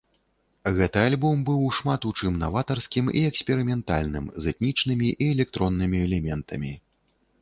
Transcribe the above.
Гэты альбом быў шмат у чым наватарскім і эксперыментальным, з этнічнымі і электроннымі элементамі.